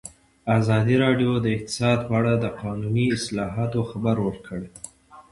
ازادي راډیو د اقتصاد په اړه د قانوني اصلاحاتو خبر ورکړی.